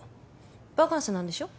バカンスなんでしょ？